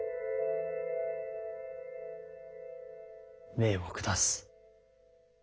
命を下す。